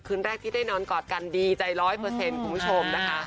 คืนแรกที่ได้นอนกอดกันดีใจร้อยเปอร์เซ็นต์คุณผู้ชมนะคะ